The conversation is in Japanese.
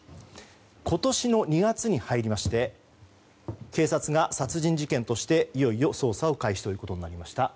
今年の２月に入りまして警察が殺人事件としていよいよ捜査を開始ということになりました。